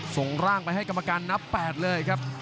ส่งร่างไปให้กรรมการนับ๘เลยครับ